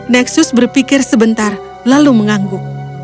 neksus berpikir sebentar lalu mengangguk